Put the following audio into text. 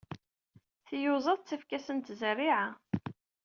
Tiyuzaḍ ttakf-asent zzerriɛa.